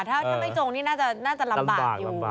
ถ้าไม่จงนี่น่าจะลำบากอยู่